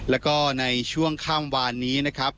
แล้วก็ในช่วงข้ามวานนี้นะครับ